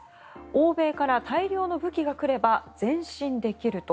欧米から大量の武器が来れば前進できる。